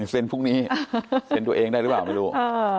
เซ็นพวกนี้เซ็นตัวเองได้หรือเปล่าไม่รู้